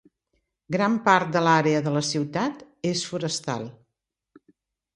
Gran part de l'àrea de la ciutat és forestal.